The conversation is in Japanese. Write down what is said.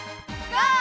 ゴー！